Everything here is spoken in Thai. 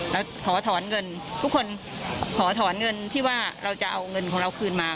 แล้วขอถอนเงินทุกคนขอถอนเงินที่ว่าเราจะเอาเงินของเราคืนมา